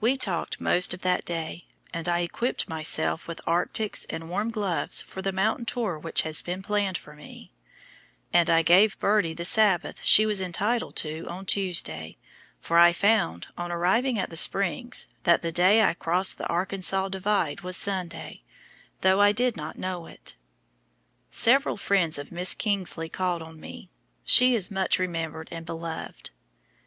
We talked most of that day, and I equipped myself with arctics and warm gloves for the mountain tour which has been planned for me, and I gave Birdie the Sabbath she was entitled to on Tuesday, for I found, on arriving at the Springs, that the day I crossed the Arkansas Divide was Sunday, though I did not know it. Several friends of Miss Kingsley called on me; she is much remembered and beloved.